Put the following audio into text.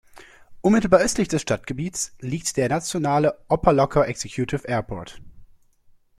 Unmittelbar östlich des Stadtgebiets liegt der nationale Opa-locka Executive Airport.